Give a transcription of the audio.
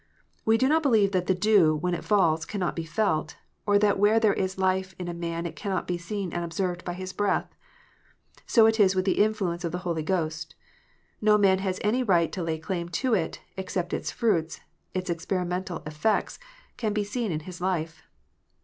We do not believe that the dew, when it falls, cannot be felt, or that where there is life in a man it cannot be seen and observed by his breath. So is it with the influence of the Holy Ghost. No man has any right to lay claim to it, except its fruits its experimental effects can be seen in his life.